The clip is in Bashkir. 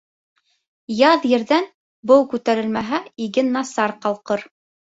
Яҙ ерҙән быу күтәрелмәһә, иген насар ҡалҡыр.